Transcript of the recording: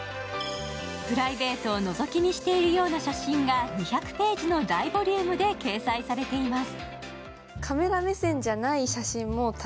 プライベートをのぞき見しているような写真が２００ページの大ボリュームで掲載されています。